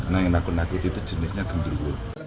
nah yang nakut nakuti itu jenisnya gendut